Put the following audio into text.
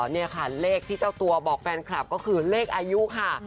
นี่ค่ะเลขที่เจ้าตัวบอกแฟนคลับก็คือเลขอายุค่ะ